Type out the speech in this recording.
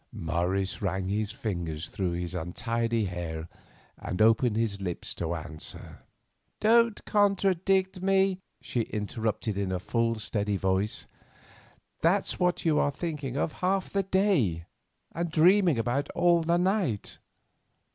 Morris ran his fingers through his untidy hair and opened his lips to answer. "Don't contradict me," she interrupted in a full steady voice. "That's what you are thinking of half the day, and dreaming about all the night."